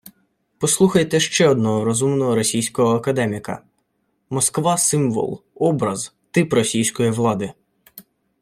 Послухайте ще одного розумного російського академіка: «Москва – Символ, Образ, Тип Російської влади